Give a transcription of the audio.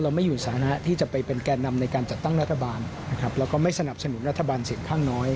ไม่อยู่สถานะที่จะไปเป็นแก่นำในการจัดตั้งรัฐบาลนะครับแล้วก็ไม่สนับสนุนรัฐบาลเสียงข้างน้อย